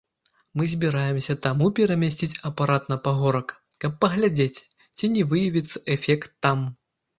Мы збіраемся таму перамясціць апарат на пагорак, каб паглядзець, ці не выявіцца эфект там.